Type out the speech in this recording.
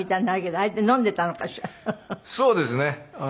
そうですね。